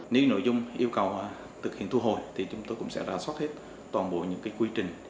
nếu nội dung yêu cầu thực hiện thu hồi thì chúng tôi cũng sẽ ra soát hết toàn bộ những quy trình